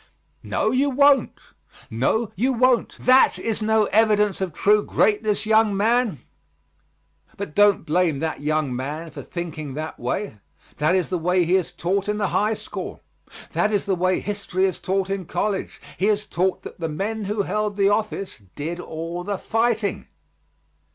"No, you won't! No, you won't; that is no evidence of true greatness, young man." But don't blame that young man for thinking that way; that is the way he is taught in the high school. That is the way history is taught in college. He is taught that the men who held the office did all the fighting.